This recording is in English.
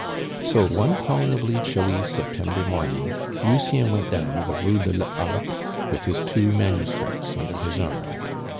So one tolerably chilly September morning Lucien went down the Rue de la Harpe, with his two manuscripts under his arm.